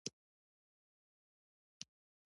زه یو محصل یم.